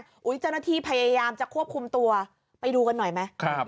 อยู่จ้าพยายามควบคุมตัวไปดูกันหน่อยไหม